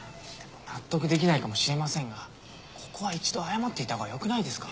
納得できないかもしれませんがここは一度謝っておいたほうがよくないですか？